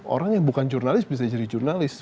orang yang bukan jurnalis bisa jadi jurnalis